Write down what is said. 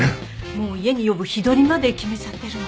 もう家に呼ぶ日取りまで決めちゃってるの。